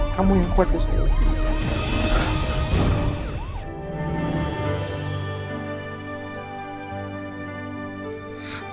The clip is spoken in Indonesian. kamu yang kuat ya sayang